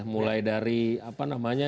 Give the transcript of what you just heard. mulai dari apa namanya